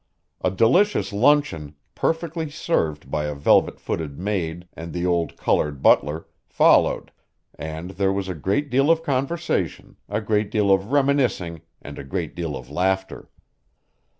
A delicious luncheon, perfectly served by a velvet footed maid and the old colored butler, followed, and there was a great deal of conversation, a great deal of reminiscing and a great deal of laughter.